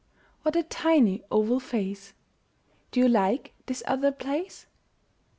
What a tiny oval face! Do you like this other place?